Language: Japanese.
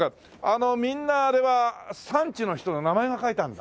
あのみんなあれは産地の人の名前が書いてあるんだ。